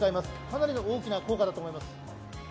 かなりの大きな効果だと思います。